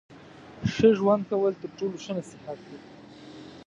ښه ژوند کول تر ټولو ښه نصیحت دی.